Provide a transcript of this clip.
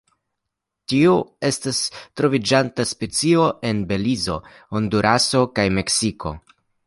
Tiu estas troviĝanta specio en Belizo, Honduro kaj Meksiko.